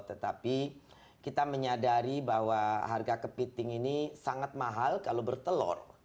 tetapi kita menyadari bahwa harga kepiting ini sangat mahal kalau bertelur